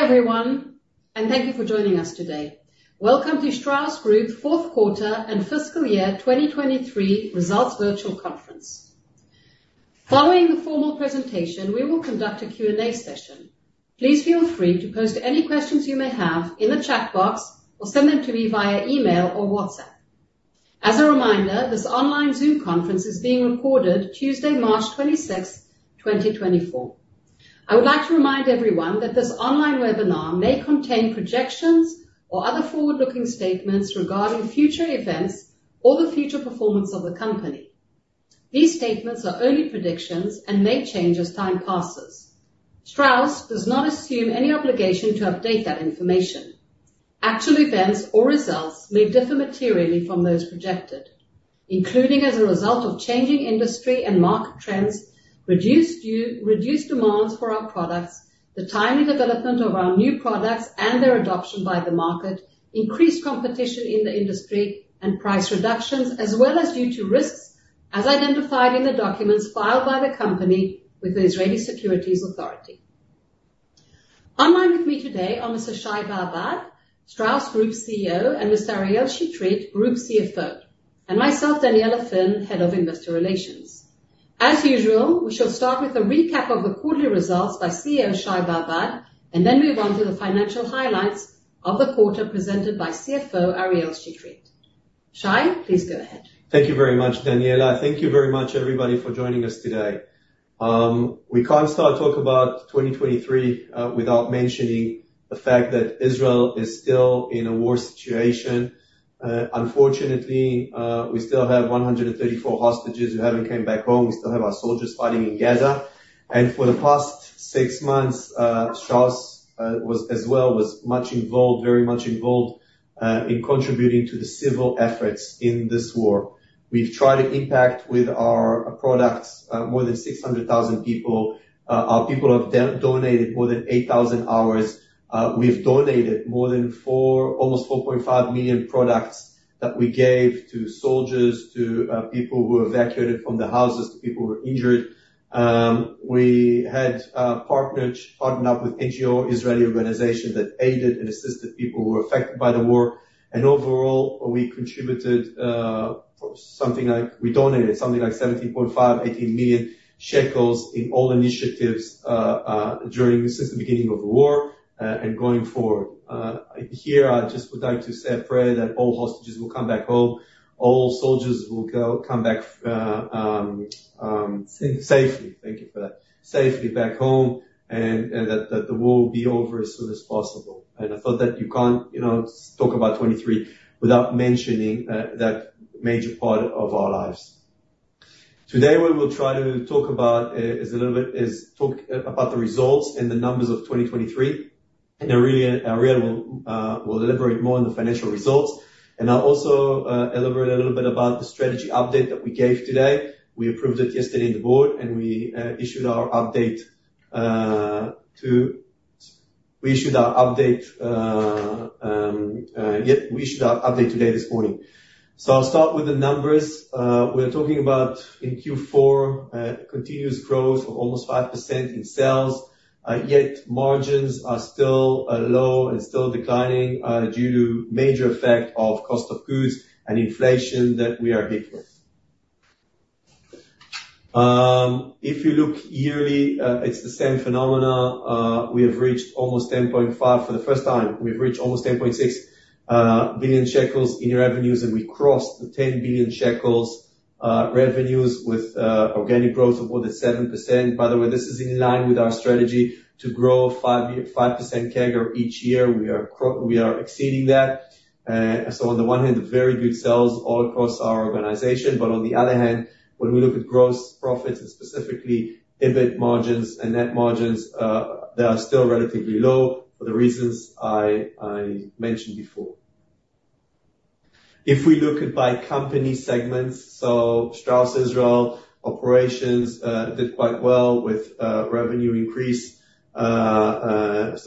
Hi, everyone, and thank you for joining us today. Welcome to Strauss Group fourth quarter and fiscal year 2023 Results Virtual Conference. Following the formal presentation, we will conduct a Q&A session. Please feel free to post any questions you may have in the chat box, or send them to me via email or WhatsApp. As a reminder, this online Zoom conference is being recorded Tuesday, March 26, 2024. I would like to remind everyone that this online webinar may contain projections or other forward-looking statements regarding future events or the future performance of the company. These statements are only predictions and may change as time passes. Strauss does not assume any obligation to update that information. Actual events or results may differ materially from those projected, including as a result of changing industry and market trends, reduced demands for our products, the timely development of our new products and their adoption by the market, increased competition in the industry, and price reductions, as well as due to risks as identified in the documents filed by the company with the Israeli Securities Authority. Online with me today are Mr. Shai Babad, Strauss Group CEO, and Mr. Ariel Chetrit, Group CFO, and myself, Daniella Finn, Head of Investor Relations. As usual, we shall start with a recap of the quarterly results by CEO Shai Babad, and then move on to the financial highlights of the quarter presented by CFO Ariel Chetrit. Shai, please go ahead. Thank you very much, Daniella. Thank you very much, everybody, for joining us today. We can't start talk about 2023 without mentioning the fact that Israel is still in a war situation. Unfortunately, we still have 134 hostages who haven't came back home. We still have our soldiers fighting in Gaza, and for the past six months, Strauss was as well, was much involved, very much involved in contributing to the civil efforts in this war. We've tried to impact with our products more than 600,000 people. Our people have donated more than 8,000 hours. We've donated almost 4.5 million products that we gave to soldiers, to people who evacuated from their houses, to people who were injured. We had partners partnered up with NGO, Israeli organization, that aided and assisted people who were affected by the war, and overall, we contributed something like We donated something like 17.5 million-18 million shekels in all initiatives during, since the beginning of the war, and going forward. Here, I just would like to say a prayer that all hostages will come back home, all soldiers will come back. Safely. Safely. Thank you for that. Safely back home, and that the war will be over as soon as possible. I thought that you can't, you know, talk about 2023 without mentioning that major part of our lives. Today, we will try to talk a little bit about the results and the numbers of 2023, and Ariel will elaborate more on the financial results. I'll also elaborate a little bit about the strategy update that we gave today. We approved it yesterday in the board, and we issued our update today, this morning. So I'll start with the numbers. We're talking about, in Q4, continuous growth of almost 5% in sales, yet margins are still low and still declining due to major effect of cost of goods and inflation that we are hit with. If you look yearly, it's the same phenomena. We have reached almost 10.5 for the first time. We've reached almost 10.6 billion shekels in revenues, and we crossed the 10 billion shekels revenues with organic growth of more than 7%. By the way, this is in line with our strategy to grow 5% CAGR each year. We are exceeding that. So on the one hand, very good sales all across our organization, but on the other hand, when we look at gross profits, and specifically EBIT margins and net margins, they are still relatively low for the reasons I, I mentioned before. If we look at by company segments, so Strauss Israel operations did quite well with revenue increase.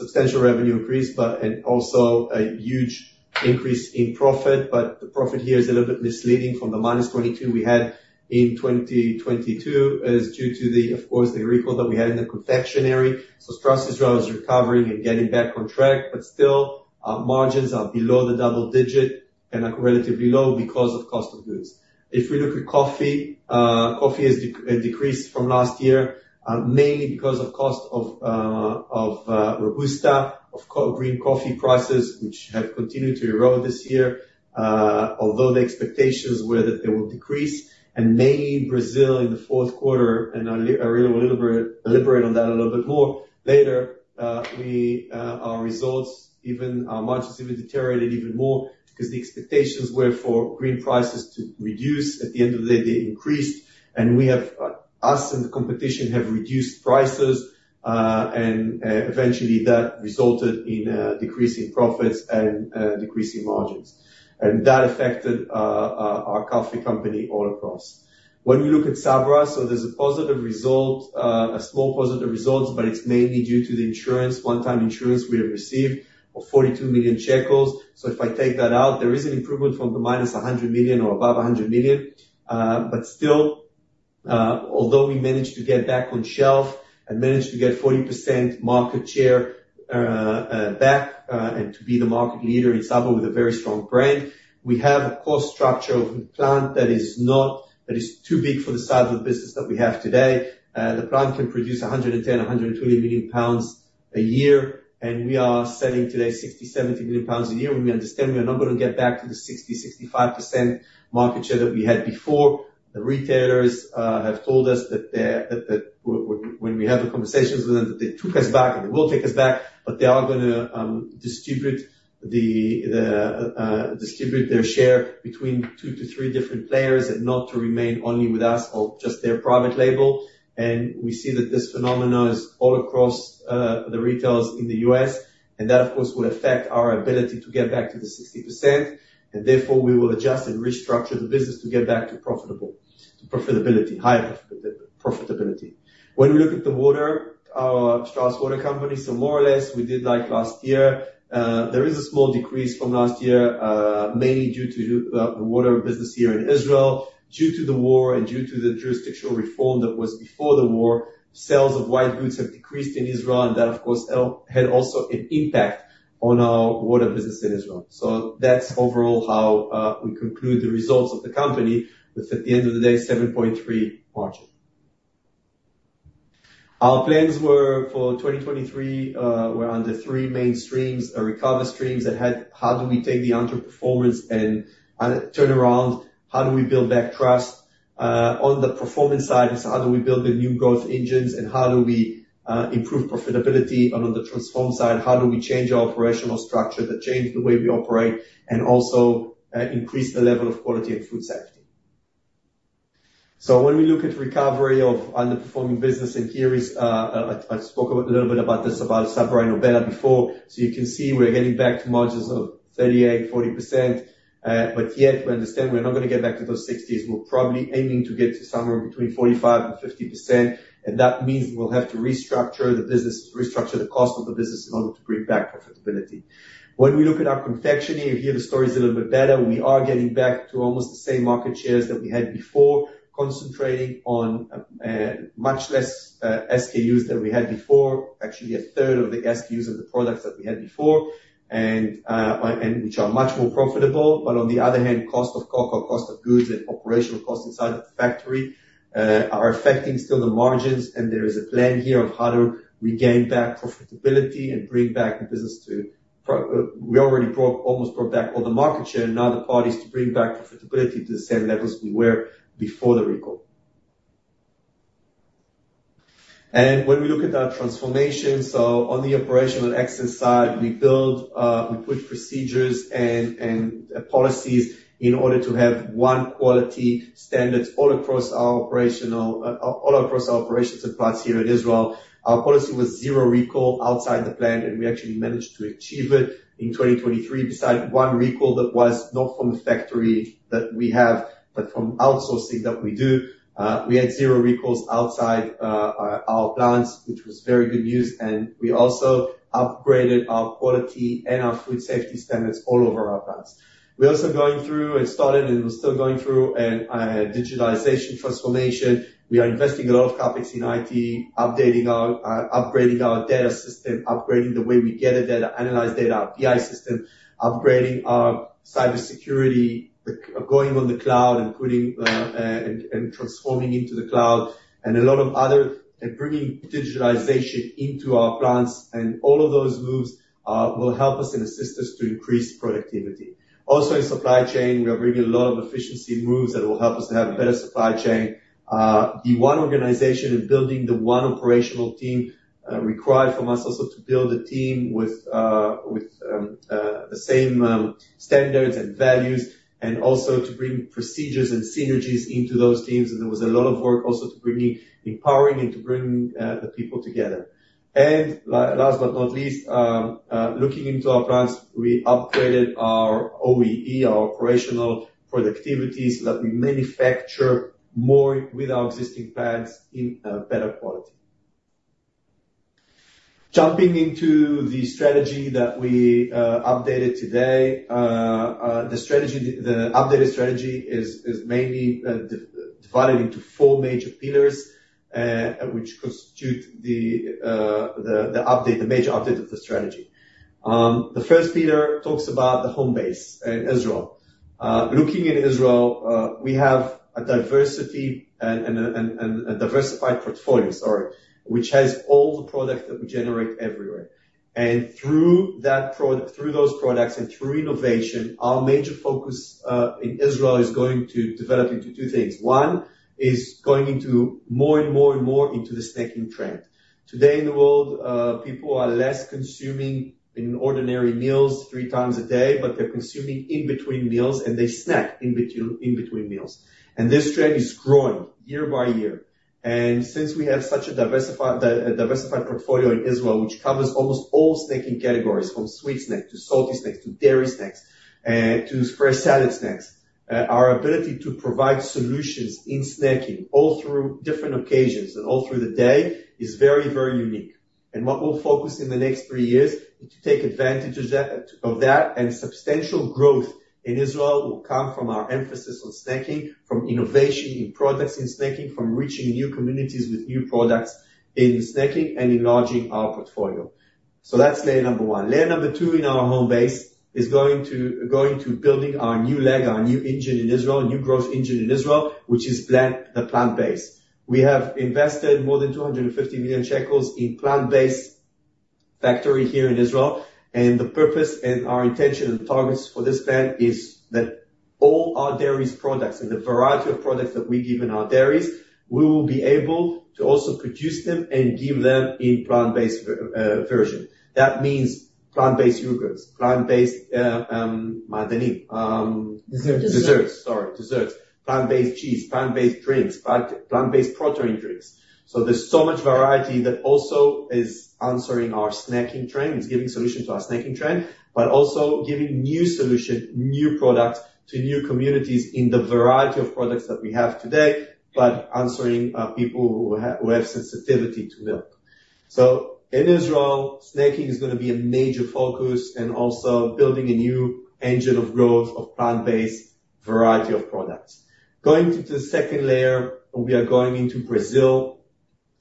Substantial revenue increase, but, and also a huge increase in profit, but the profit here is a little bit misleading from the -22 we had in 2022, is due to the, of course, the recall that we had in the confectionery. So Strauss Israel is recovering and getting back on track, but still, our margins are below the double digit and are relatively low because of cost of goods. If we look at coffee, coffee has decreased from last year, mainly because of cost of Robusta, of green coffee prices, which have continued to erode this year, although the expectations were that they will decrease. And mainly in Brazil, in the fourth quarter, and Ariel will elaborate on that a little bit more later, our results, even our margins deteriorated even more, because the expectations were for green prices to reduce. At the end of the day, they increased, and we and the competition have reduced prices, and eventually that resulted in decreasing profits and decreasing margins. And that affected our coffee company all across. When we look at Sabra, so there's a positive result, a small positive result, but it's mainly due to the insurance, one-time insurance we have received of 42 million shekels. So if I take that out, there is an improvement from the minus 100 million or above 100 million, but still, although we managed to get back on shelf and managed to get 40% market share back, and to be the market leader in Sabra with a very strong brand, we have a cost structure of a plant that is too big for the size of the business that we have today. The plant can produce 110, 120 million pounds a year, and we are selling today 60-70 million pounds a year. We understand we are not gonna get back to the 60-65% market share that we had before. The retailers have told us that when we have the conversations with them, that they took us back, and they will take us back, but they are gonna distribute their share between two to three different players and not to remain only with us or just their private label. We see that this phenomenon is all across the retailers in the U.S., and that, of course, will affect our ability to get back to the 60%, and therefore we will adjust and restructure the business to get back to profitability, higher profitability. When we look at the water, our Strauss Water company, so more or less, we did like last year. There is a small decrease from last year, mainly due to the water business here in Israel. Due to the war and due to the judicial reform that was before the war, sales of white goods have decreased in Israel, and that, of course, had also an impact on our water business in Israel. So that's overall how we conclude the results of the company, with, at the end of the day, 7.3 margin. Our plans were, for 2023, were on the three main streams, a recovery streams, that had, how do we take the underperformance and turn around? How do we build back trust? On the performance side, it's how do we build the new growth engines, and how do we improve profitability? On the transform side, how do we change our operational structure to change the way we operate, and also increase the level of quality and food safety? So when we look at recovery of underperforming business, and here is, I spoke a little bit about this, about Sabra and Obela before. So you can see we're getting back to margins of 38-40%, but yet we understand we're not gonna get back to those 60s. We're probably aiming to get to somewhere between 45% and 50%, and that means we'll have to restructure the business, restructure the cost of the business in order to bring back profitability. When we look at our confectionery, and here the story's a little bit better, we are getting back to almost the same market shares that we had before, concentrating on much less SKUs than we had before, actually a third of the SKUs of the products that we had before, and and which are much more profitable. But on the other hand, cost of COGS, or cost of goods and operational costs inside of the factory, are affecting still the margins, and there is a plan here of how to regain back profitability and bring back the business to pro- we already brought, almost brought back all the market share. Now the part is to bring back profitability to the same levels we were before the recall. And when we look at our transformation, so on the operational execution side, we built, we put procedures and policies in order to have one quality standards all across our operational, all across our operations and plants here in Israel. Our policy was zero recall outside the plant, and we actually managed to achieve it in 2023, beside one recall that was not from the factory that we have, but from outsourcing that we do. We had zero recalls outside, our plants, which was very good news, and we also upgraded our quality and our food safety standards all over our plants. We're also going through and started, and we're still going through a digitalization transformation. We are investing a lot of CapEx in IT, updating our, upgrading our data system, upgrading the way we gather data, analyze data, our PI system, upgrading our cybersecurity, going on the cloud and putting, and, and transforming into the cloud, and a lot of other... And bringing digitalization into our plants, and all of those moves, will help us and assist us to increase productivity. Also, in supply chain, we are bringing a lot of efficiency moves that will help us to have better supply chain. The one organization and building the one operational team, required from us also to build a team with, with the same standards and values, and also to bring procedures and synergies into those teams. And there was a lot of work also to bringing... empowering and to bring, the people together. And last but not least, looking into our plants, we upgraded our OEE, our operational productivities, that we manufacture more with our existing plants in better quality. Jumping into the strategy that we updated today. The strategy, the updated strategy is mainly divided into four major pillars, which constitute the update, the major update of the strategy. The first pillar talks about the home base in Israel. Looking in Israel, we have a diversity and a diversified portfolio, sorry, which has all the products that we generate everywhere. And through those products, and through innovation, our major focus in Israel is going to develop into two things. One is going into more and more and more into the snacking trend. Today in the world, people are less consuming in ordinary meals three times a day, but they're consuming in between meals, and they snack in between, in between meals. And this trend is growing year by year. And since we have such a diversified portfolio in Israel, which covers almost all snacking categories, from sweet snack to salty snacks, to dairy snacks, to fresh salad snacks, our ability to provide solutions in snacking all through different occasions and all through the day is very, very unique. And what we'll focus in the next three years, is to take advantage of that, of that, and substantial growth in Israel will come from our emphasis on snacking, from innovation in products in snacking, from reaching new communities with new products in snacking and enlarging our portfolio. So that's layer number one. Layer number two in our home base is going to building our new leg, our new engine in Israel, a new growth engine in Israel, which is the plant-based. We have invested more than 250 million shekels in a plant-based factory here in Israel, and the purpose and our intention and targets for this plant is that all our dairy products, and the variety of products that we give in our dairy, we will be able to also produce them and give them in plant-based version. That means plant-based yogurts, plant-based ma'adanim. Desserts. Desserts, sorry. Desserts. Plant-based cheese, plant-based drinks, plant-based protein drinks. So there's so much variety that also is answering our snacking trend, is giving solution to our snacking trend, but also giving new solution, new products to new communities in the variety of products that we have today, but answering, people who have sensitivity to milk. So in Israel, snacking is gonna be a major focus and also building a new engine of growth of plant-based variety of products. Going to the second layer, we are going into Brazil.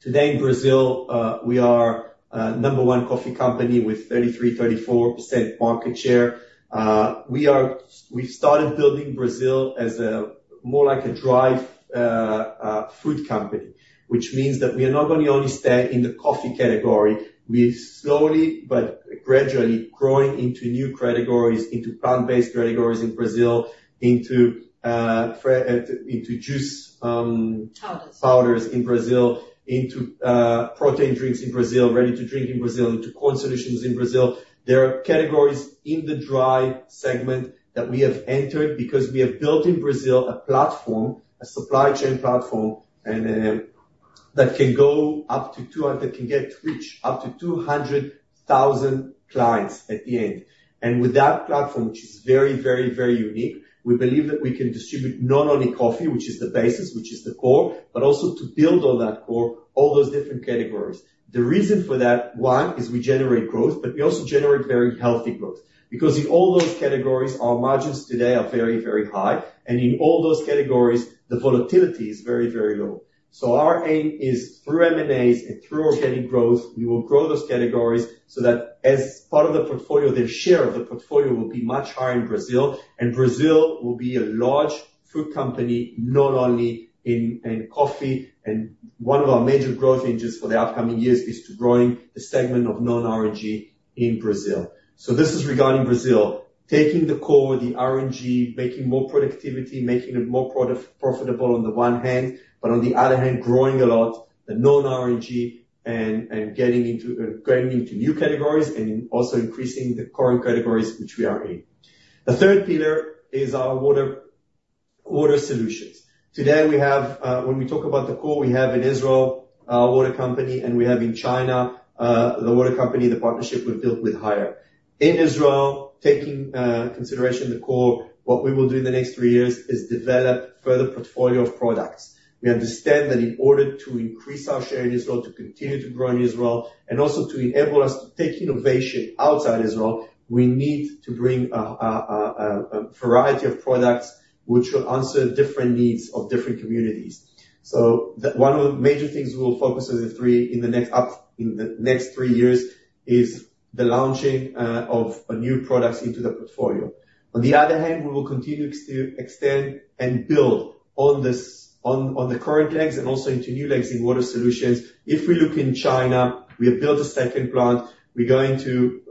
Today, in Brazil, we are a number one coffee company with 33%-34% market share. We started building Brazil as a more like a dry food company, which means that we are not gonna only stay in the coffee category. We're slowly but gradually growing into new categories, into plant-based categories in Brazil, into juice. Powders. Powders in Brazil, into protein drinks in Brazil, ready-to-drink in Brazil, into corn solutions in Brazil. There are categories in the dry segment that we have entered because we have built in Brazil, a platform, a supply chain platform, and that can go up to 200, can get, reach up to 200,000 clients at the end. With that platform, which is very, very, very unique, we believe that we can distribute not only coffee, which is the basis, which is the core, but also to build on that core, all those different categories. The reason for that, one, is we generate growth, but we also generate very healthy growth. Because in all those categories, our margins today are very, very high, and in all those categories, the volatility is very, very low. So our aim is through M&As and through organic growth, we will grow those categories so that as part of the portfolio, their share of the portfolio will be much higher in Brazil, and Brazil will be a large food company, not only in coffee. And one of our major growth engines for the upcoming years is to growing the segment of non-R&G in Brazil. So this is regarding Brazil, taking the core, the R&G, making more productivity, making it more profitable on the one hand, but on the other hand, growing a lot the non-R&G and getting into new categories and also increasing the current categories which we are in. The third pillar is our water solutions. Today, we have, when we talk about the core, we have in Israel, our water company, and we have in China, the water company, the partnership we've built with Haier. In Israel, taking consideration the core, what we will do in the next three years is develop further portfolio of products. We understand that in order to increase our share in Israel, to continue to grow in Israel, and also to enable us to take innovation outside Israel, we need to bring a variety of products which will answer different needs of different communities. So, one of the major things we will focus on in the next three years is the launching of new products into the portfolio. On the other hand, we will continue to extend and build on this, on the current legs and also into new legs in water solutions. If we look in China, we have built a second plant. We're going to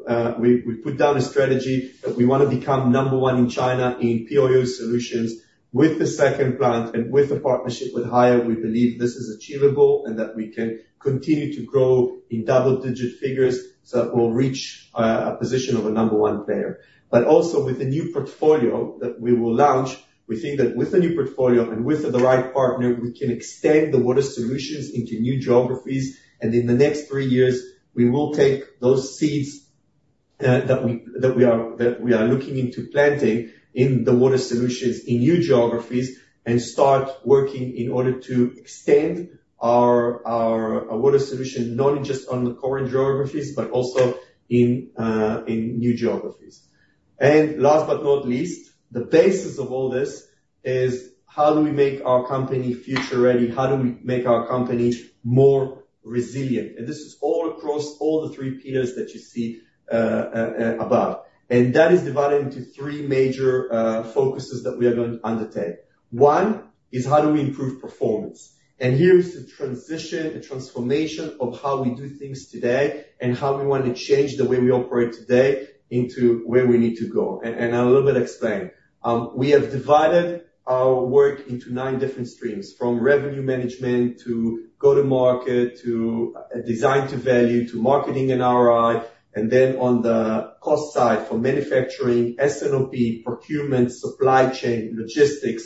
put down a strategy, that we wanna become number one in China in POU solutions with the second plant and with the partnership with Haier, we believe this is achievable and that we can continue to grow in double-digit figures, so that we'll reach a position of a number one player. But also with the new portfolio that we will launch, we think that with the new portfolio and with the right partner, we can extend the water solutions into new geographies, and in the next three years, we will take those seeds that we are looking into planting in the water solutions in new geographies, and start working in order to extend our water solution, not just on the current geographies, but also in new geographies. And last but not least, the basis of all this is how do we make our company future-ready? How do we make our company more resilient? And this is all across all the three pillars that you see above. And that is divided into three major focuses that we are going to undertake. One, is how do we improve performance? And here is the transition, the transformation of how we do things today, and how we want to change the way we operate today into where we need to go. And, and I'll a little bit explain. We have divided our work into nine different streams, from revenue management to go-to-market, to, design to value, to marketing and ROI, and then on the cost side, from manufacturing, S&OP, procurement, supply chain, logistics,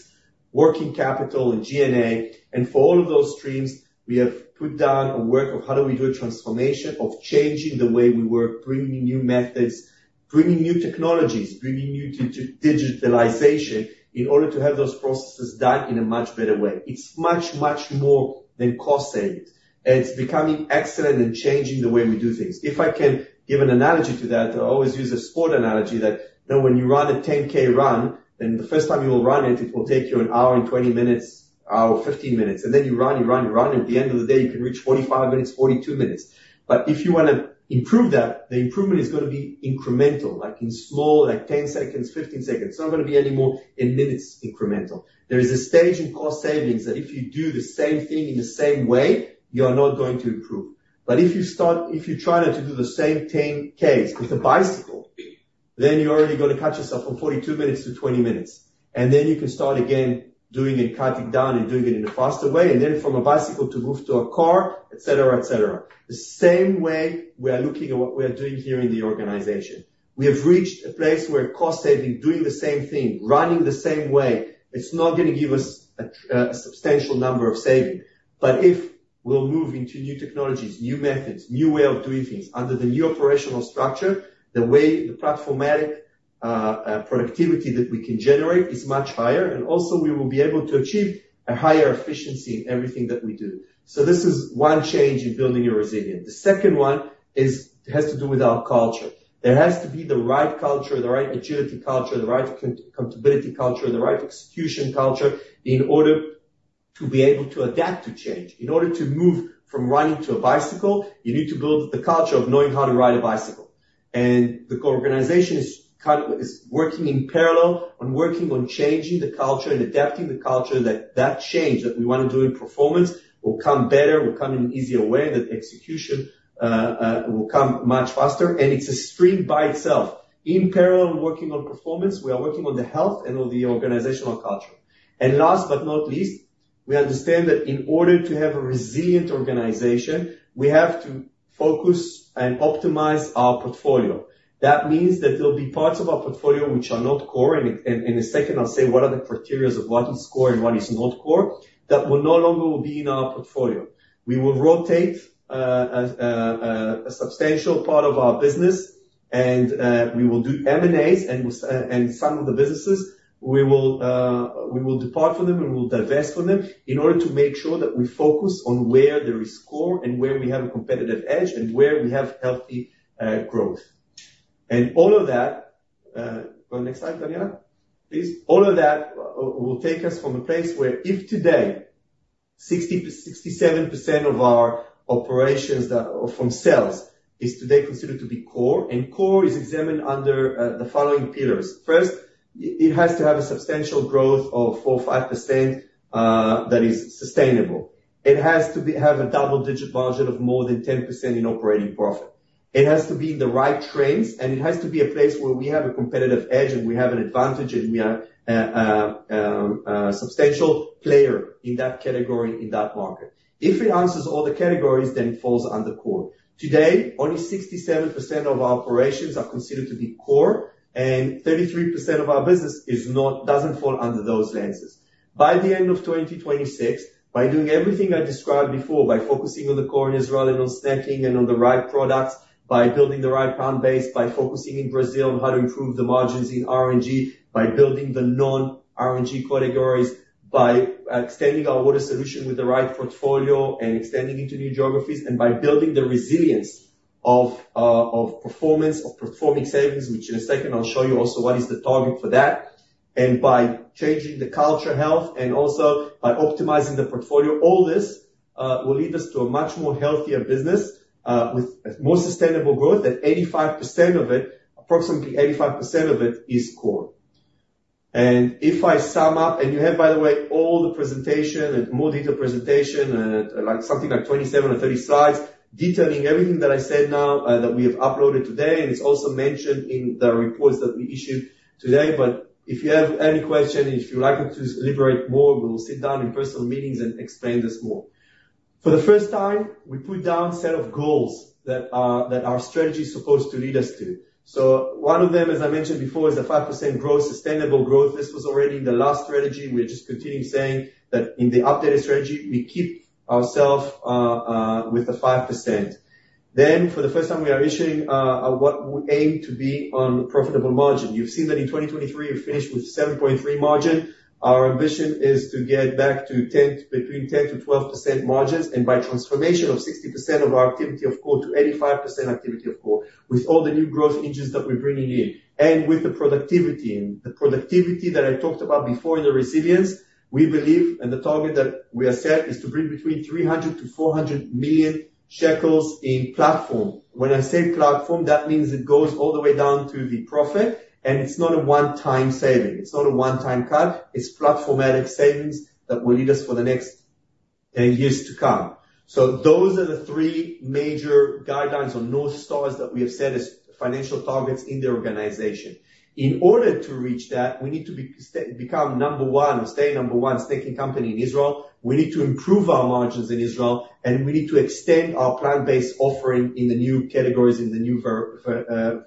working capital and G&A, and for all of those streams, we have put down a work of how do we do a transformation of changing the way we work, bringing new methods, bringing new technologies, bringing new digitalization, in order to have those processes done in a much better way. It's much, much more than cost savings. It's becoming excellent and changing the way we do things. If I can give an analogy to that, I always use a sport analogy, that, you know, when you run a 10K run, then the first time you will run it, it will take you one hour and 20 minutes, one hour and 15 minutes, and then you run, you run, you run, at the end of the day, you can reach 45 minutes, 42 minutes. But if you wanna improve that, the improvement is gonna be incremental, like, in small, like, 10 seconds, 15 seconds. It's not gonna be any more in minutes incremental. There is a stage in cost savings that if you do the same thing in the same way, you are not going to improve. But if you start, if you try not to do the same 10Ks with a bicycle, then you're already gonna cut yourself from 42 minutes to 20 minutes. And then you can start again doing it, cutting down, and doing it in a faster way, and then from a bicycle to move to a car, et cetera, et cetera. The same way we are looking at what we are doing here in the organization. We have reached a place where cost saving, doing the same thing, running the same way, it's not gonna give us a substantial number of saving. But if we'll move into new technologies, new methods, new way of doing things under the new operational structure, the way the platformatic productivity that we can generate is much higher, and also we will be able to achieve a higher efficiency in everything that we do. So this is one change in building your resilience. The second one is, has to do with our culture. There has to be the right culture, the right agility culture, the right accountability culture, the right execution culture, in order to be able to adapt to change. In order to move from running to a bicycle, you need to build the culture of knowing how to ride a bicycle. And the co-organization is kind of is working in parallel, on working on changing the culture and adapting the culture, that that change that we wanna do in performance will come better, will come in an easier way, that execution will come much faster, and it's a stream by itself. In parallel, working on performance, we are working on the health and on the organizational culture. And last but not least, we understand that in order to have a resilient organization, we have to focus and optimize our portfolio. That means that there'll be parts of our portfolio which are not core, and in a second, I'll say what are the criteria of what is core and what is not core, that will no longer will be in our portfolio. We will rotate a substantial part of our business, and we will do M&As, and some of the businesses, we will depart from them, and we will divest from them in order to make sure that we focus on where there is core and where we have a competitive edge and where we have healthy growth. And all of that. Go next slide, Tatiana, please. All of that will take us from a place where if today, 60%-67% of our operations that are from sales is today considered to be core, and core is examined under the following pillars. First, it has to have a substantial growth of 4%-5% that is sustainable. It has to be, have a double-digit margin of more than 10% in operating profit. It has to be in the right trends, and it has to be a place where we have a competitive edge, and we have an advantage, and we are a substantial player in that category, in that market. If it answers all the categories, then it falls under core. Today, only 67% of our operations are considered to be core, and 33% of our business is not-- doesn't fall under those lenses. By the end of 2026, by doing everything I described before, by focusing on the core in Israel and on snacking and on the right products, by building the right brand base, by focusing in Brazil on how to improve the margins in R&G, by building the non-R&G categories, by extending our water solution with the right portfolio and extending into new geographies, and by building the resilience of performance, of performing savings, which in a second I'll show you also what is the target for that, and by changing the culture health and also by optimizing the portfolio, all this will lead us to a much more healthier business with more sustainable growth than 85% of it, approximately 85% of it, is core. And if I sum up... You have, by the way, all the presentation and more detailed presentation, like something like 27 or 30 slides, detailing everything that I said now, that we have uploaded today, and it's also mentioned in the reports that we issued today. If you have any question, if you like us to deliberate more, we'll sit down in personal meetings and explain this more. For the first time, we put down a set of goals that are, that our strategy is supposed to lead us to. One of them, as I mentioned before, is a 5% growth, sustainable growth. This was already in the last strategy. We're just continuing saying that in the updated strategy, we keep ourselves, with the 5%. For the first time, we are issuing, what we aim to be on profitable margin. You've seen that in 2023, we finished with 7.3 margin. Our ambition is to get back to ten, between 10%-12% margins, and by transformation of 60% of our activity of core to 85% activity of core, with all the new growth engines that we're bringing in, and with the productivity. The productivity that I talked about before in the resilience, we believe, and the target that we have set, is to bring between 300 million-400 million shekels in platform. When I say platform, that means it goes all the way down to the profit, and it's not a one-time saving. It's not a one-time cut. It's platformatic savings that will lead us for the next years to come. So those are the three major guidelines or north stars that we have set as financial targets in the organization. In order to reach that, we need to become number one and stay number one snacking company in Israel, we need to improve our margins in Israel, and we need to extend our plant-based offering in the new categories, in the new ver- ver,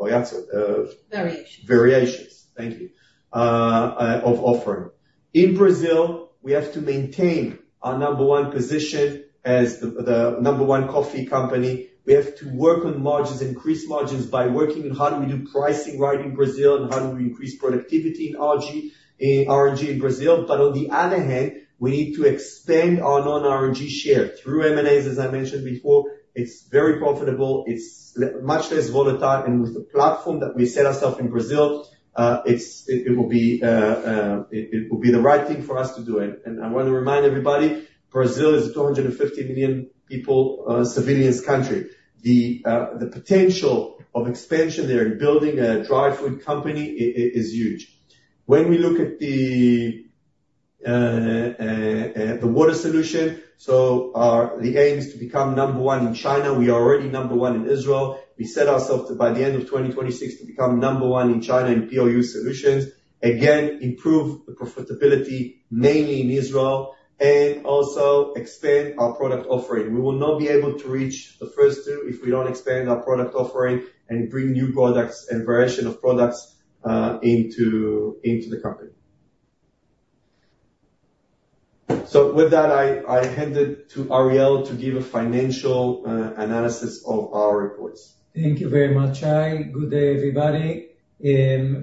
uh-... variations Variations, thank you, of offering. In Brazil, we have to maintain our number one position as the number one coffee company. We have to work on margins, increase margins by working on how do we do pricing right in Brazil, and how do we increase productivity in R&G in Brazil. But on the other hand, we need to expand our non-R&G share through M&As, as I mentioned before. It's very profitable, it's much less volatile, and with the platform that we set ourself in Brazil, it will be the right thing for us to do. And I want to remind everybody, Brazil is a 250 million people country. The potential of expansion there in building a dry food company is huge. When we look at the water solution, so our aim is to become number one in China. We are already number one in Israel. We set ourself to, by the end of 2026, to become number one in China, in POU solutions. Again, improve the profitability, mainly in Israel, and also expand our product offering. We will not be able to reach the first two if we don't expand our product offering and bring new products and variation of products into the company. So with that, I hand it to Ariel to give a financial analysis of our reports. Thank you very much, Shai. Good day, everybody.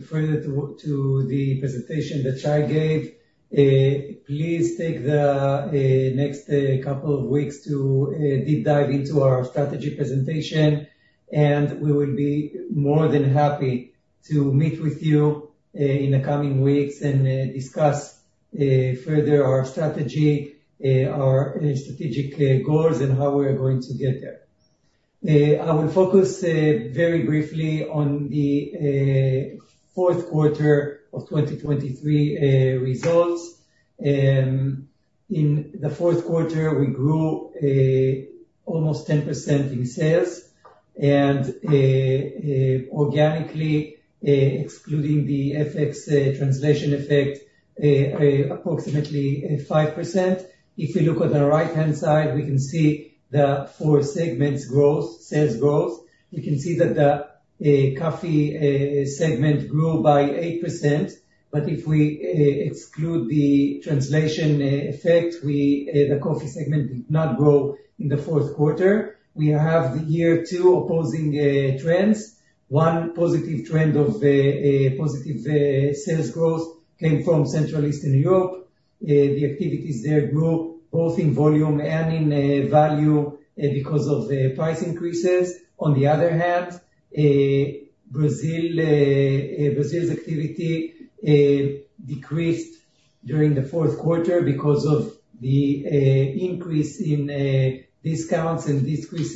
Further to the presentation that Shai gave, please take the next couple of weeks to deep dive into our strategy presentation, and we will be more than happy to meet with you in the coming weeks and discuss further our strategy, our strategic goals, and how we are going to get there. I will focus very briefly on the fourth quarter of 2023 results. In the fourth quarter, we grew almost 10% in sales, and organically, excluding the FX translation effect, approximately 5%. If we look at the right-hand side, we can see the four segments growth, sales growth. We can see that the coffee segment grew by 8%, but if we exclude the translation effect, the coffee segment did not grow in the fourth quarter. We have two opposing trends. One positive trend of positive sales growth came from Central and Eastern Europe. The activities there grew both in volume and in value because of the price increases. On the other hand, Brazil's activity decreased during the fourth quarter because of the increase in discounts and decrease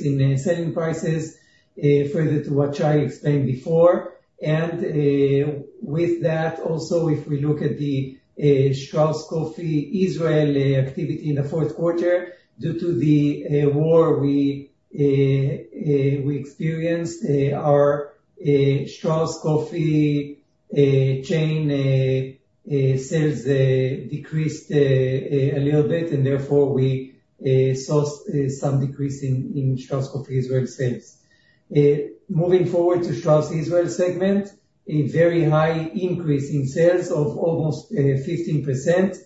in selling prices, further to what Shai explained before. With that also, if we look at the Strauss Coffee Israel activity in the fourth quarter, due to the war we experienced, our Strauss Coffee chain sales decreased a little bit, and therefore we saw some decrease in Strauss Coffee Israel sales. Moving forward to Strauss Israel segment, a very high increase in sales of almost 15%.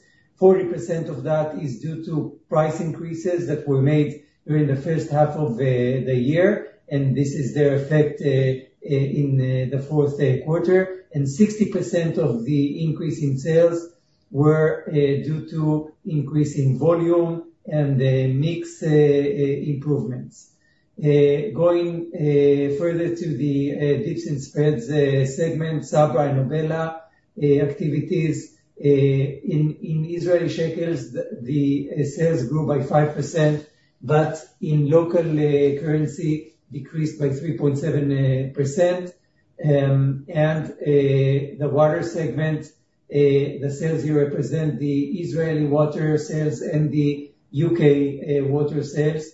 40% of that is due to price increases that were made during the first half of the year, and this is their effect in the fourth quarter. And 60% of the increase in sales were due to increase in volume and the mix improvements. Going further to the dips and spreads segment, Sabra and Obela activities in Israeli shekels, the sales grew by 5%, but in local currency, decreased by 3.7%. And the water segment, the sales here represent the Israeli water sales and the U.K. water sales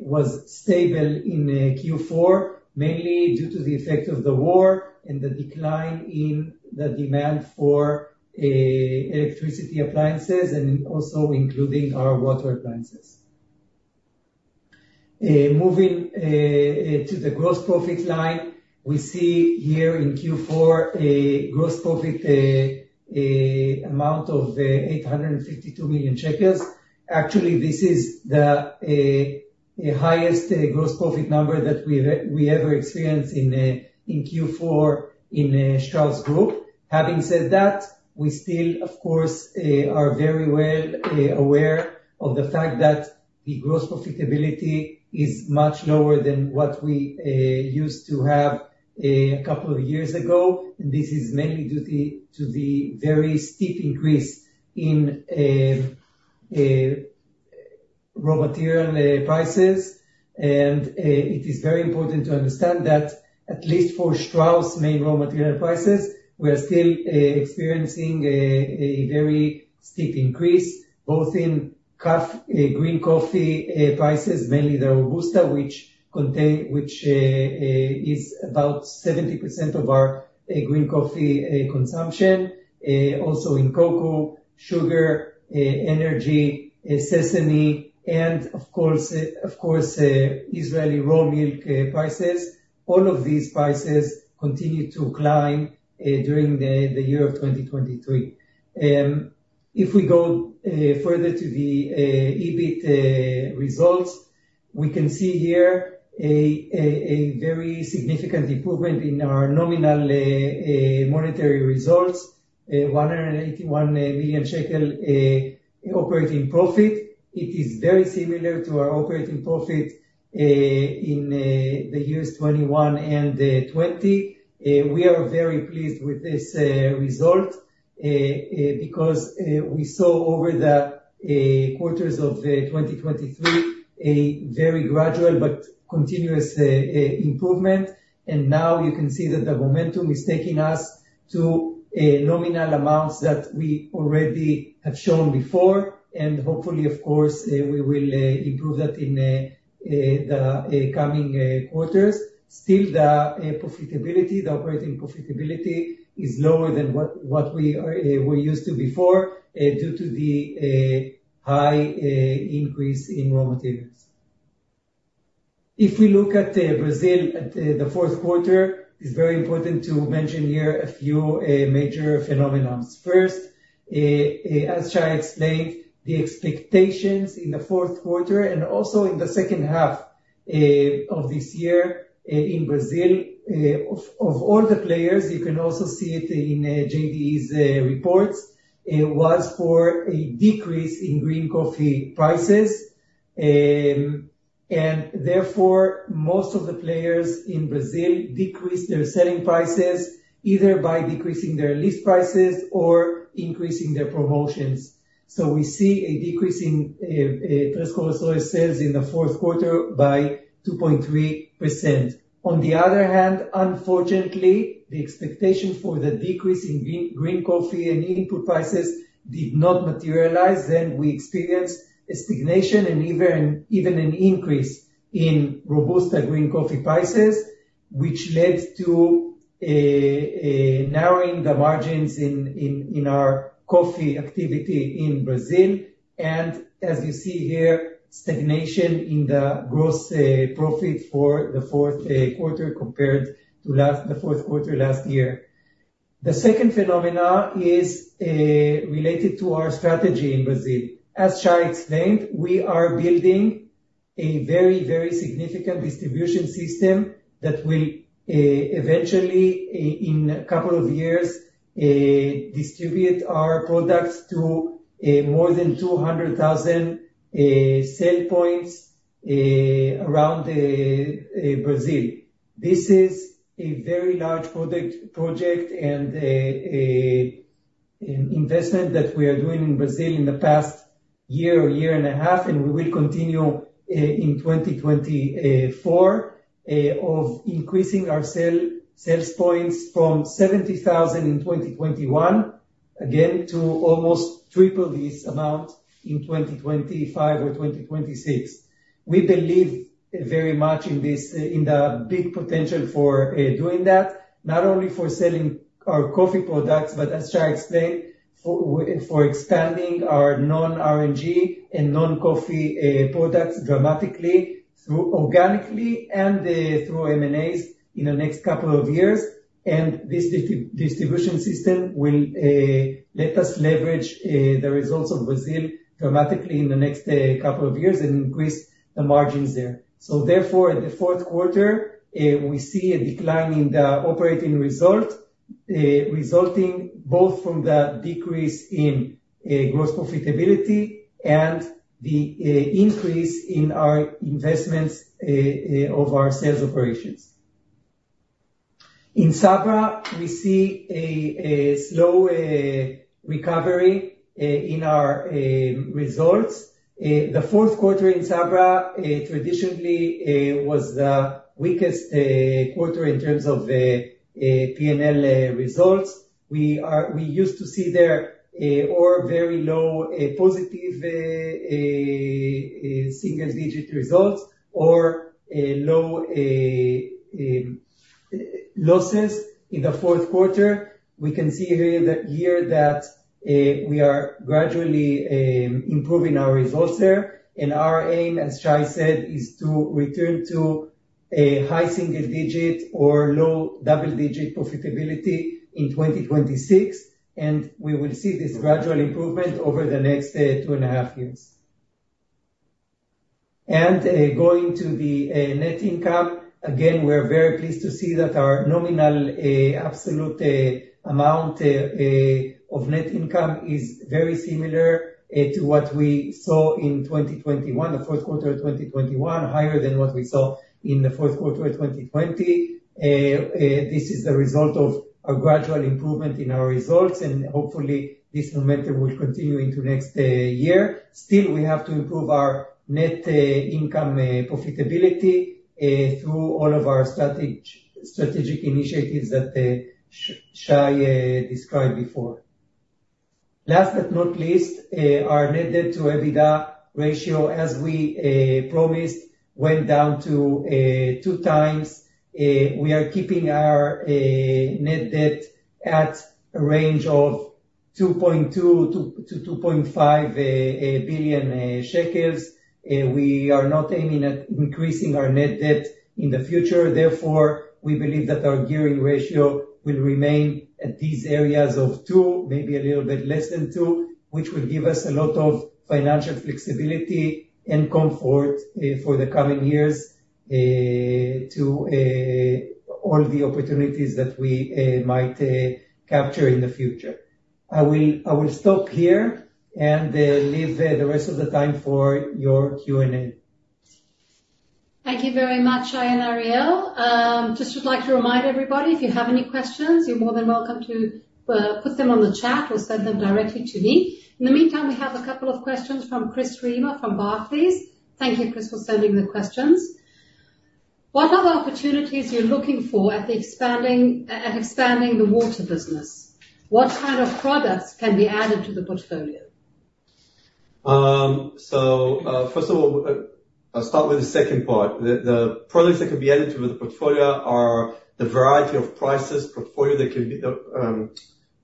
was stable in Q4, mainly due to the effect of the war and the decline in the demand for electricity appliances, and also including our water appliances. Moving to the gross profit line, we see here in Q4, a gross profit amount of 852 million shekels. Actually, this is the highest gross profit number that we've ever experienced in Q4 in Strauss Group. Having said that, we still, of course, are very well aware of the fact that the gross profitability is much lower than what we used to have a couple of years ago. This is mainly due to the very steep increase in raw material prices. It is very important to understand that at least for Strauss' main raw material prices, we are still experiencing a very steep increase, both in green coffee prices, mainly the Arabica, which is about 70% of our green coffee consumption. Also in cocoa, sugar, energy, sesame, and of course, Israeli raw milk prices. All of these prices continue to climb during the year of 2023. If we go further to the EBIT results. We can see here a very significant improvement in our nominal monetary results. 181 million shekel operating profit. It is very similar to our operating profit in the years 2021 and 2020. We are very pleased with this result because we saw over the quarters of 2023 a very gradual but continuous improvement. And now you can see that the momentum is taking us to nominal amounts that we already had shown before, and hopefully, of course, we will improve that in the coming quarters. Still, the profitability, the operating profitability is lower than what, what we are, we used to before, due to the high increase in raw materials. If we look at Brazil at the fourth quarter, it's very important to mention here a few major phenomena. First, as Shai explained, the expectations in the fourth quarter and also in the second half of this year in Brazil of all the players, you can also see it in JDE's reports, it was for a decrease in green coffee prices. And therefore, most of the players in Brazil decreased their selling prices, either by decreasing their list prices or increasing their promotions. So we see a decrease in Três Corações sales in the fourth quarter by 2.3%. On the other hand, unfortunately, the expectation for the decrease in green coffee and input prices did not materialize, then we experienced a stagnation and even an increase in Robusta green coffee prices, which led to a narrowing the margins in our coffee activity in Brazil. And as you see here, stagnation in the gross profit for the fourth quarter compared to the fourth quarter last year. The second phenomenon is related to our strategy in Brazil. As Shai explained, we are building a very, very significant distribution system that will eventually, in a couple of years, distribute our products to more than 200,000 sell points around Brazil. This is a very large product-project and an investment that we are doing in Brazil in the past year or year and a half, and we will continue in 2024 of increasing our sales points from 70,000 in 2021, again, to almost triple this amount in 2025 or 2026. We believe very much in this, in the big potential for doing that, not only for selling our coffee products, but as Shai explained, for expanding our non-R&G and non-coffee products dramatically through organically and through M&As in the next couple of years. This distribution system will let us leverage the results of Brazil dramatically in the next couple of years and increase the margins there. So therefore, the fourth quarter, we see a decline in the operating result, resulting both from the decrease in gross profitability and the increase in our investments of our sales operations. In Sabra, we see a slow recovery in our results. The fourth quarter in Sabra traditionally was the weakest quarter in terms of P&L results. We used to see there or very low positive single digit results, or low losses in the fourth quarter. We can see here that we are gradually improving our results there. Our aim, as Shai said, is to return to a high single digit or low double digit profitability in 2026, and we will see this gradual improvement over the next 2.5 years. Going to the net income. Again, we're very pleased to see that our nominal absolute amount of net income is very similar to what we saw in 2021, the first quarter of 2021, higher than what we saw in the first quarter of 2020. This is the result of a gradual improvement in our results, and hopefully this momentum will continue into next year. Still, we have to improve our net income profitability through all of our strategic initiatives that Shai described before. Last but not least, our net debt to EBITDA ratio, as we promised, went down to 2x. We are keeping our net debt at a range of 2.2 billion-2.5 billion shekels. We are not aiming at increasing our net debt in the future, therefore, we believe that our gearing ratio will remain at these areas of two, maybe a little bit less than two, which will give us a lot of financial flexibility and comfort for the coming years to all the opportunities that we might capture in the future. I will stop here and leave the rest of the time for your Q&A. Thank you very much, Shai and Ariel. Just would like to remind everybody, if you have any questions, you're more than welcome to put them on the chat or send them directly to me. In the meantime, we have a couple of questions from Chris Reimer, from Barclays. Thank you, Chris, for sending the questions. What other opportunities are you looking for at expanding the water business? What kind of products can be added to the portfolio? So, first of all, I'll start with the second part. The products that can be added to the portfolio are the variety of prices, portfolio that can be the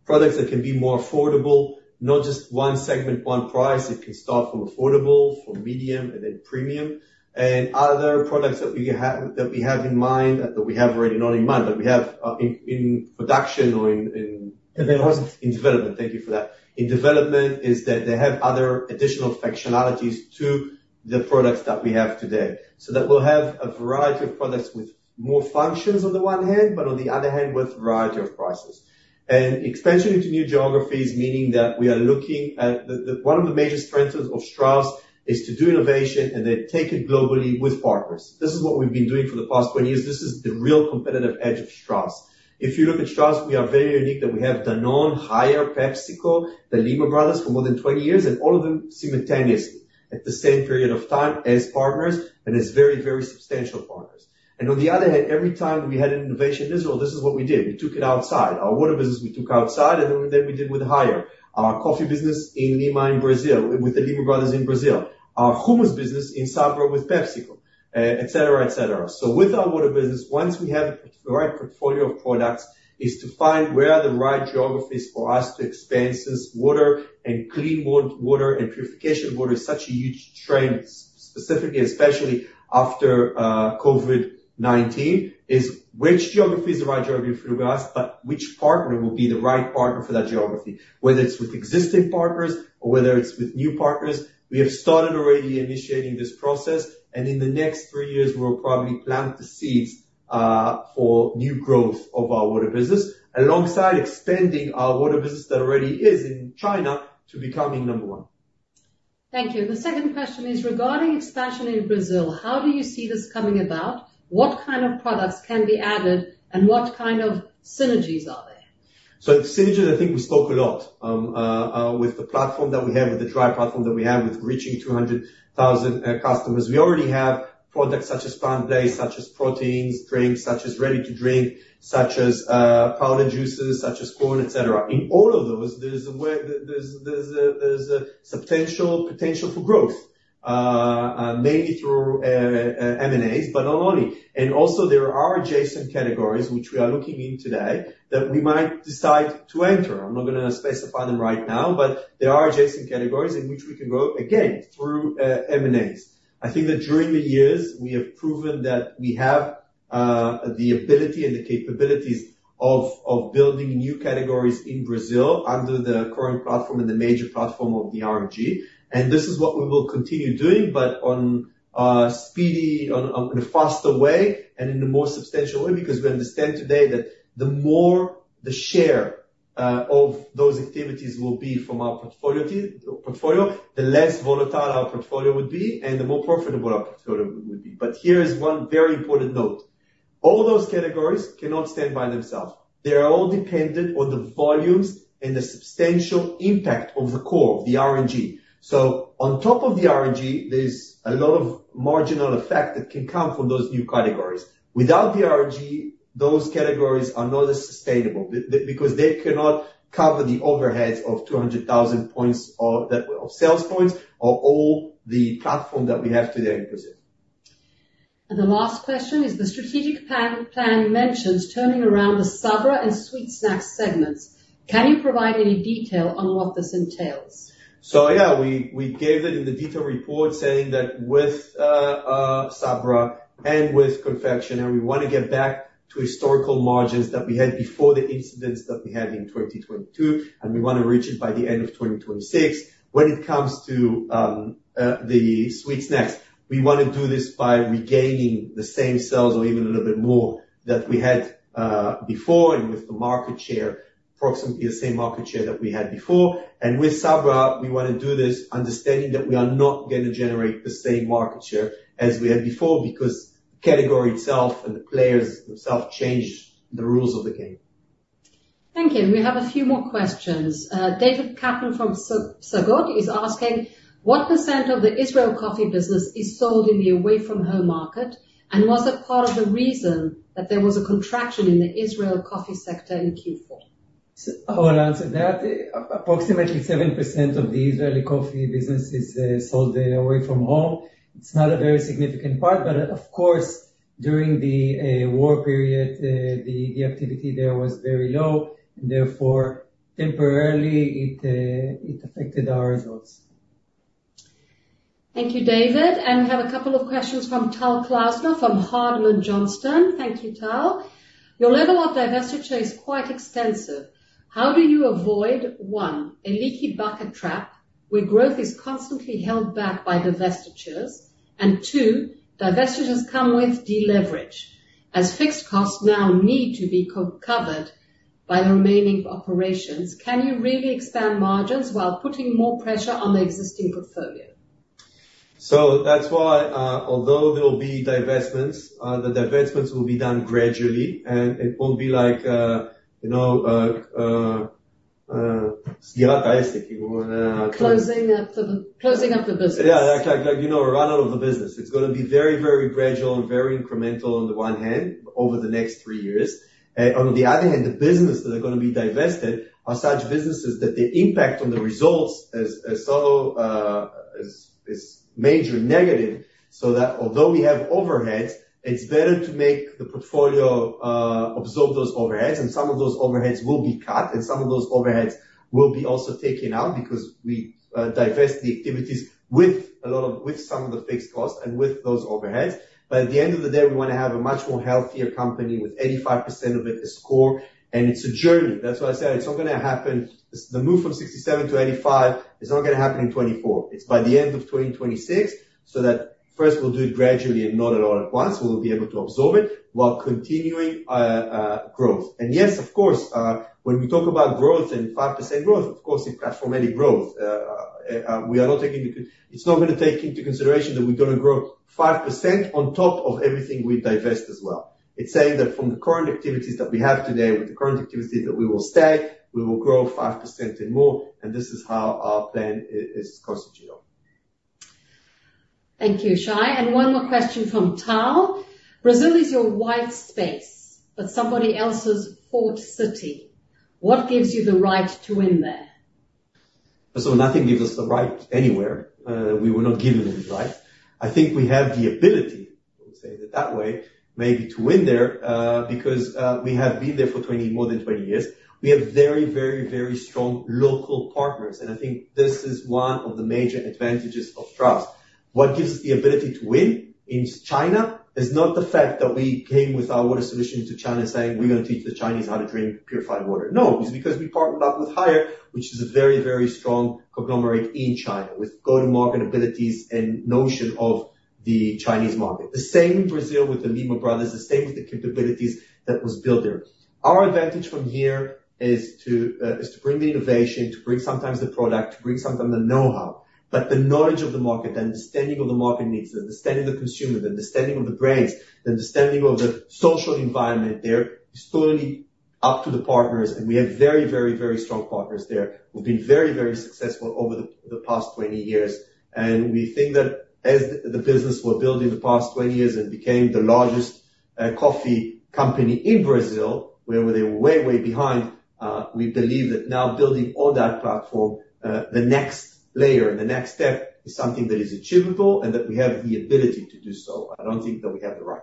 products that can be more affordable, not just one segment, one price. It can start from affordable, from medium, and then premium. And other products that we have in mind, that we have already, not in mind, but we have in production or in Development. In development. Thank you for that. In development, is that they have other additional functionalities to the products that we have today. So that we'll have a variety of products with more functions on the one hand, but on the other hand, with variety of prices. Expansion into new geographies, meaning that we are looking at... the one of the major strengths of Strauss is to do innovation, and then take it globally with partners. This is what we've been doing for the past 20 years. This is the real competitive edge of Strauss. If you look at Strauss, we are very unique, that we have Danone, Haier, PepsiCo, the Lima brothers, for more than 20 years, and all of them simultaneously, at the same period of time as partners, and as very, very substantial partners. And on the other hand, every time we had an innovation in Israel, this is what we did. We took it outside. Our water business, we took outside, and then we did with Haier. Our coffee business in Lima, in Brazil, with the Lima brothers in Brazil. Our hummus business in Sabra with PepsiCo, et cetera, et cetera. So with our water business, once we have the right portfolio of products, is to find where are the right geographies for us to expand, since water and clean water and purification water is such a huge trend, specifically, especially after COVID-19, is which geography is the right geography for us, but which partner will be the right partner for that geography? Whether it's with existing partners or whether it's with new partners, we have started already initiating this process, and in the next three years, we will probably plant the seeds for new growth of our water business, alongside expanding our water business that already is in China, to becoming number one. Thank you. The second question is regarding expansion in Brazil. How do you see this coming about? What kind of products can be added, and what kind of synergies are there? So, synergies, I think we spoke a lot. With the platform that we have, with the dry platform that we have, with reaching 200,000 customers. We already have products such as pão de queijo, such as proteins, drinks, such as ready to drink, such as powder juices, such as corn, et cetera. In all of those, there's a way. There's a substantial potential for growth, mainly through M&As, but not only. And also, there are adjacent categories which we are looking in today, that we might decide to enter. I'm not gonna specify them right now, but there are adjacent categories in which we can grow, again, through M&As. I think that during the years, we have proven that we have the ability and the capabilities of building new categories in Brazil, under the current platform and the major platform of the R&G, and this is what we will continue doing, but on speedy, on a faster way and in a more substantial way, because we understand today that the more the share of those activities will be from our portfolio, the less volatile our portfolio would be, and the more profitable our portfolio will be. But here is one very important note: all those categories cannot stand by themselves. They are all dependent on the volumes and the substantial impact of the core, the R&G. So on top of the R&G, there's a lot of marginal effect that can come from those new categories. Without the R&G, those categories are not as sustainable, because they cannot cover the overheads of 200,000 points or that, of sales points, or all the platform that we have today in Brazil. The last question is, the strategic plan mentions turning around the Sabra and sweet snack segments. Can you provide any detail on what this entails? So yeah, we gave it in the detail report, saying that with Sabra and with confection, and we wanna get back to historical margins that we had before the incidents that we had in 2022, and we wanna reach it by the end of 2026. When it comes to the sweet snacks, we wanna do this by regaining the same sales or even a little bit more, that we had before, and with the market share, approximately the same market share that we had before. And with Sabra, we wanna do this understanding that we are not gonna generate the same market share as we had before, because category itself and the players themselves changed the rules of the game. Thank you. We have a few more questions. David Kaplan from Psagot is asking: What % of the Israel coffee business is sold in the away-from-home market? And was that part of the reason that there was a contraction in the Israel coffee sector in Q4? I will answer that. Approximately 7% of the Israeli coffee business is sold away from home. It's not a very significant part, but of course, during the war period, the activity there was very low, and therefore, temporarily, it affected our results. ...Thank you, David. And we have a couple of questions from Tal Klausner, from Harel Finance. Thank you, Tal. Your level of divestiture is quite extensive. How do you avoid, one, a leaky bucket trap, where growth is constantly held back by divestitures? And two, divestitures come with deleverage, as fixed costs now need to be co-covered by the remaining operations. Can you really expand margins while putting more pressure on the existing portfolio? So that's why, although there will be divestments, the divestments will be done gradually, and it won't be like, you know, Closing up the business. Yeah, like, like, like, you know, run out of the business. It's gonna be very, very gradual and very incremental on the one hand, over the next three years. On the other hand, the businesses that are gonna be divested are such businesses that the impact on the results is so major negative, so that although we have overheads, it's better to make the portfolio absorb those overheads, and some of those overheads will be cut, and some of those overheads will be also taken out, because we divest the activities with some of the fixed costs and with those overheads. But at the end of the day, we wanna have a much more healthier company with 85% of it as core, and it's a journey. That's why I said it's not gonna happen... The move from 67 -85 is not gonna happen in 2024. It's by the end of 2026, so that first we'll do it gradually and not a lot at once. We'll be able to absorb it while continuing growth. And yes, of course, when we talk about growth and 5% growth, of course, it's platformatic growth. We are not taking it's not gonna take into consideration that we're gonna grow 5% on top of everything we divest as well. It's saying that from the current activities that we have today, with the current activities that we will stay, we will grow 5% and more, and this is how our plan is constituting on. Thank you, Shai. One more question from Tal. Brazil is your white space, but somebody else's forté. What gives you the right to win there? So nothing gives us the right anywhere. We were not given any right. I think we have the ability, I would say that that way, maybe to win there, because we have been there for more than 20 years. We have very, very, very strong local partners, and I think this is one of the major advantages of trust. What gives us the ability to win in China is not the fact that we came with our water solution into China, saying, "We're gonna teach the Chinese how to drink purified water." No, it's because we partnered up with Haier, which is a very, very strong conglomerate in China, with go-to-market abilities and notion of the Chinese market. The same in Brazil with the Lima brothers, the same with the capabilities that was built there. Our advantage from here is to, is to bring the innovation, to bring sometimes the product, to bring sometimes the know-how, but the knowledge of the market, the understanding of the market needs, the understanding of the consumer, the understanding of the brands, the understanding of the social environment there is totally up to the partners, and we have very, very, very strong partners there, who've been very, very successful over the past 20 years. And we think that as the business was built in the past 20 years and became the largest coffee company in Brazil, where they were way, way behind, we believe that now building on that platform, the next layer and the next step is something that is achievable and that we have the ability to do so. I don't think that we have the right.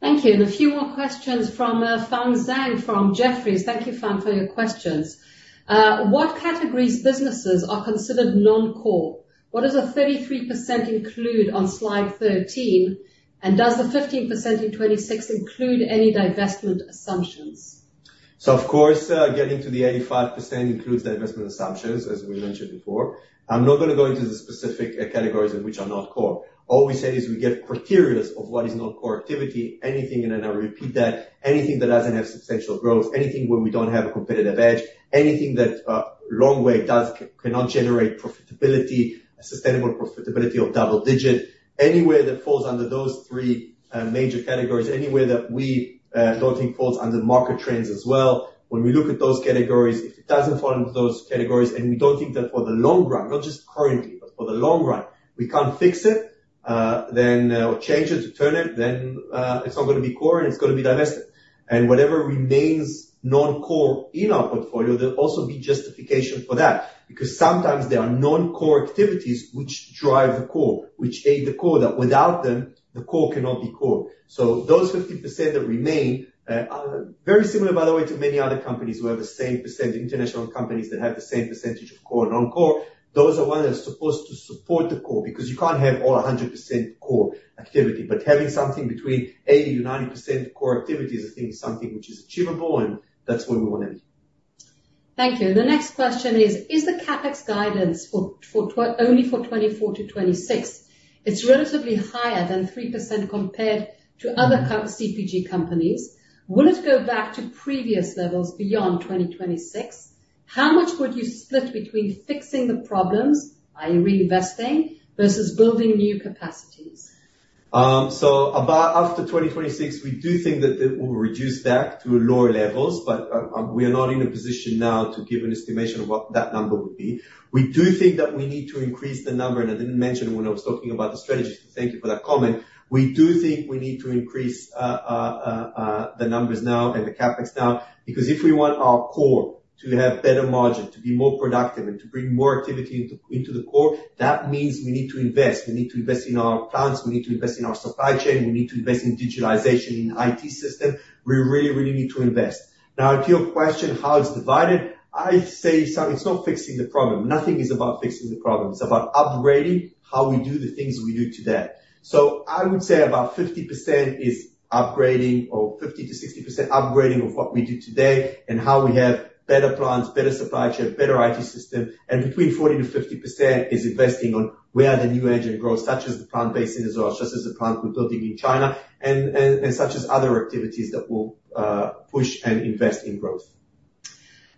Thank you. And a few more questions from, Feng Zhang from Jefferies. Thank you, Feng, for your questions. What categories businesses are considered non-core? What does the 33% include on slide 13, and does the 15% in 26 include any divestment assumptions? So of course, getting to the 85% includes divestment assumptions, as we mentioned before. I'm not gonna go into the specific categories of which are not core. All we said is we get criteria of what is not core activity, anything, and then I'll repeat that, anything that doesn't have substantial growth, anything where we don't have a competitive edge, anything that long way does cannot generate profitability, sustainable profitability of double-digit, anywhere that falls under those three major categories, anywhere that we don't think falls under market trends as well. When we look at those categories, if it doesn't fall into those categories, and we don't think that for the long run, not just currently, but for the long run, we can't fix it, then, or change it to turn it, then, it's not gonna be core, and it's gonna be divested. And whatever remains non-core in our portfolio, there'll also be justification for that, because sometimes there are non-core activities which drive the core, which aid the core, that without them, the core cannot be core. So those 50% that remain are very similar, by the way, to many other companies who have the same percent, international companies that have the same percentage of core and non-core. Those are ones that are supposed to support the core, because you can't have all 100% core activity, but having something between 80%-90% core activity is, I think, something which is achievable, and that's where we wanna be. Thank you. The next question is: Is the CapEx guidance only for 2024 -2026? It's relatively higher than 3% compared to other CPG companies. Will it go back to previous levels beyond 2026? How much would you split between fixing the problems, are you reinvesting, versus building new capacities? So about after 2026, we do think that it will reduce back to lower levels, but we are not in a position now to give an estimation of what that number would be. We do think that we need to increase the number, and I didn't mention when I was talking about the strategy, so thank you for that comment. We do think we need to increase the numbers now and the CapEx now, because if we want our core to have better margin, to be more productive, and to bring more activity into the core, that means we need to invest. We need to invest in our plants, we need to invest in our supply chain, we need to invest in digitalization, in IT system. We really, really need to invest. Now, to your question, how it's divided, I say it's not fixing the problem. Nothing is about fixing the problem. It's about upgrading how we do the things we do today. So I would say about 50% is upgrading, or 50%-60% upgrading of what we do today, and how we have better plants, better supply chain, better IT system, and between 40%-50% is investing on where the new engine grows, such as the plant-based in, such as the plant we're building in China, and such as other activities that will push and invest in growth.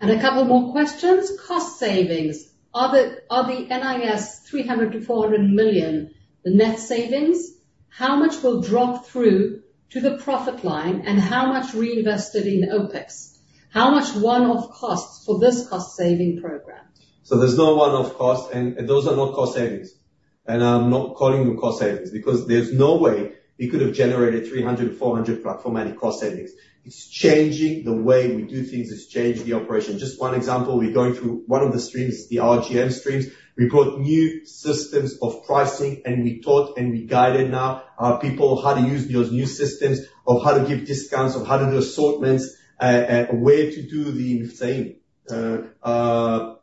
A couple more questions. Cost savings, are the 300 million-400 million the net savings? How much will drop through to the profit line, and how much reinvested in OpEx? How much one-off costs for this cost saving program? So there's no one-off cost, and, and those are not cost savings, and I'm not calling them cost savings, because there's no way we could have generated 300-400 platformatic cost savings. It's changing the way we do things, it's changing the operation. Just one example, we're going through one of the streams, the RGM streams. We got new systems of pricing, and we taught and we guided now, our people how to use those new systems, of how to give discounts, of how to do assortments, where to do the same, promotions?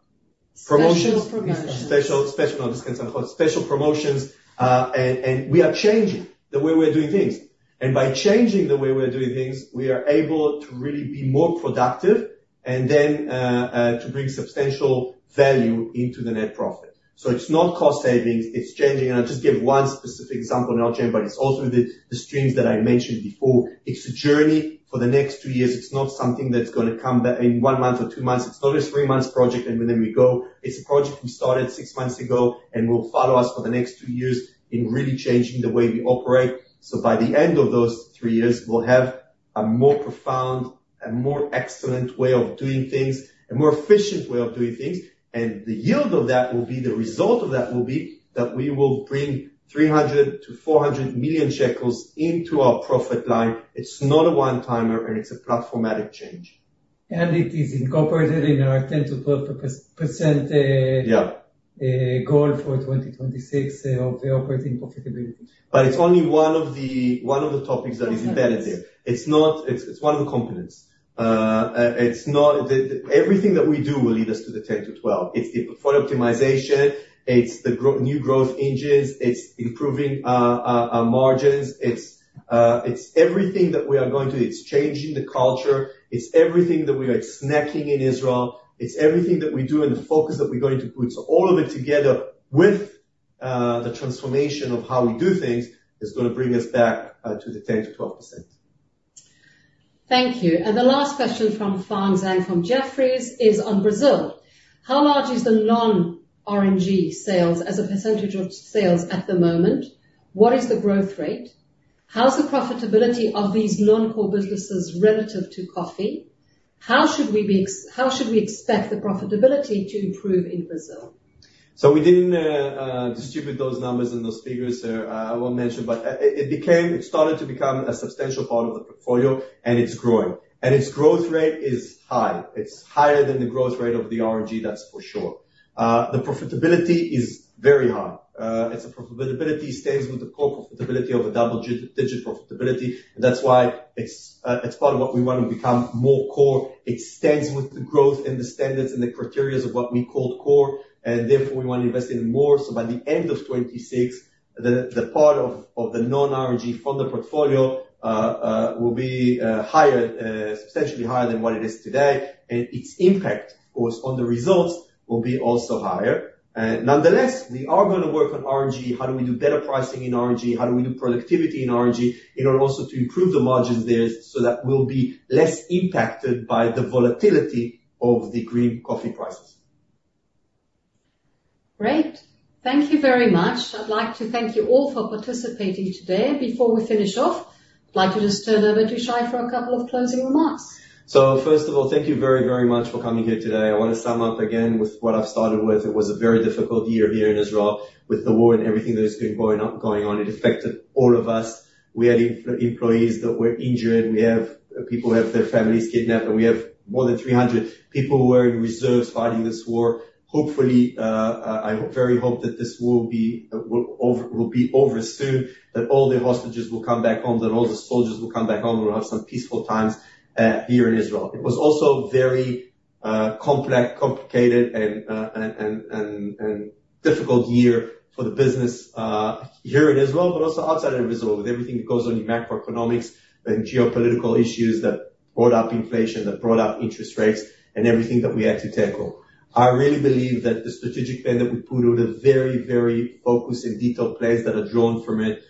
Special promotions. Special discounts, special promotions. And we are changing the way we're doing things. And by changing the way we're doing things, we are able to really be more productive, and then to bring substantial value into the net profit. So it's not cost savings, it's changing. And I'll just give one specific example, and I'll change, but it's also the streams that I mentioned before. It's a journey for the next two years. It's not something that's gonna come in one month or two months. It's not a three months project, and then we go. It's a project we started six months ago and will follow us for the next two years in really changing the way we operate. So by the end of those three years, we'll have a more profound and more excellent way of doing things, a more efficient way of doing things. The yield of that will be... the result of that will be, that we will bring 300 million-400 million shekels into our profit line. It's not a one-timer, and it's a platformatic change. It is incorporated in our 10%-12%. Yeah... goal for 2026 of the operating profitability. But it's only one of the, one of the topics that is embedded there. Yes. It's not. It's one of the components. It's not. Everything that we do will lead us to the 10-12. It's the portfolio optimization, it's the new growth engines, it's improving our margins, it's everything that we are going to. It's changing the culture. It's everything that we are snacking in Israel. It's everything that we do and the focus that we're going to put. So all of it together with the transformation of how we do things is gonna bring us back to the 10%-12%. Thank you. The last question from Feng Zhang from Jefferies is on Brazil. How large is the non-R&G sales as a percentage of sales at the moment? What is the growth rate? How's the profitability of these non-core businesses relative to coffee? How should we expect the profitability to improve in Brazil? So we didn't distribute those numbers and those figures there. I won't mention, but it became, it started to become a substantial part of the portfolio, and it's growing. Its growth rate is high. It's higher than the growth rate of the R&G, that's for sure. The profitability is very high. Its profitability stays with the core profitability of a double-digit profitability. That's why it's part of what we want to become more core. It stands with the growth and the standards and the criteria of what we call core, and therefore, we want to invest in more. By the end of 2026, the part of the non-R&G from the portfolio will be higher, substantially higher than what it is today, and its impact, of course, on the results, will be also higher. Nonetheless, we are gonna work on R&G, how do we do better pricing in R&G? How do we do productivity in R&G? In order also to improve the margins there, so that we'll be less impacted by the volatility of the green coffee prices. Great. Thank you very much. I'd like to thank you all for participating today. Before we finish off, I'd like to just turn over to Shai for a couple of closing remarks. So first of all, thank you very, very much for coming here today. I want to sum up again with what I've started with. It was a very difficult year here in Israel, with the war and everything that has been going on. It affected all of us. We had employees that were injured, we have people who have their families kidnapped, and we have more than 300 people who are in reserves fighting this war. Hopefully, I very hope that this will be over soon, that all the hostages will come back home, that all the soldiers will come back home, and we'll have some peaceful times here in Israel. It was also very complex, complicated, and difficult year for the business here in Israel, but also outside of Israel, with everything that goes on in macroeconomics and geopolitical issues that brought up inflation, that brought up interest rates, and everything that we had to tackle. I really believe that the strategic plan that we put with a very, very focused and detailed plans that are drawn from it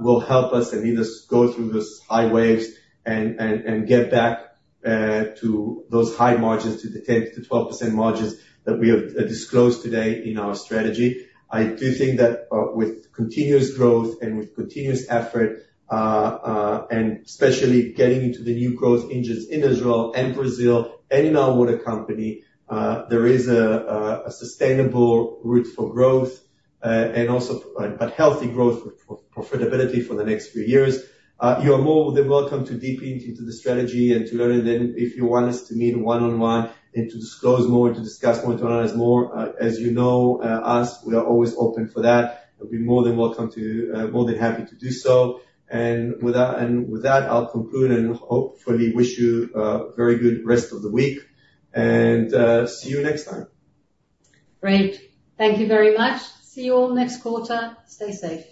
will help us and lead us go through this high waves and get back to those high margins, to the 10%-12% margins that we have disclosed today in our strategy. I do think that, with continuous growth and with continuous effort, and especially getting into the new growth engines in Israel and Brazil and in our water company, there is a sustainable route for growth, and also, a healthy growth for profitability for the next few years. You are more than welcome to dive into the strategy and to learn, and then if you want us to meet one-on-one and to disclose more, and to discuss more, to analyze more, as you know, we are always open for that. You'll be more than welcome to... more than happy to do so. And with that, I'll conclude and hopefully wish you a very good rest of the week, and see you next time. Great. Thank you very much. See you all next quarter. Stay safe.